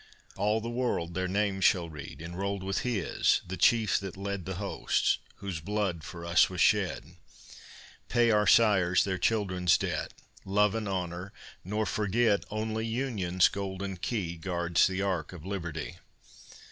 All the world their names shall read, Enrolled with his, the Chief that led The hosts whose blood for us was shed. Pay our sires their children's debt, Love and honor, nor forget Only Union's golden key Guards the Ark of Liberty!